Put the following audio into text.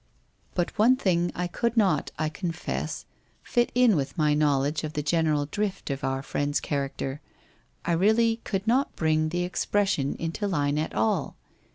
* But one thing I could not, I confess, fit in with my knowl edge of the general drift of our friend's character. I really could not bring the expression into line at all.